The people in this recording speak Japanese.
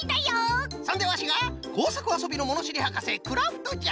そんでワシがこうさくあそびのものしりはかせクラフトじゃ！